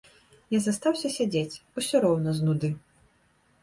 Я застаўся сядзець, усё роўна з нуды.